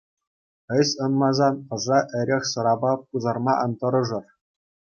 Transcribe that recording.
Ӗҫ ӑнмасан ӑша эрех-сӑрапа пусарма ан тӑрӑшӑр.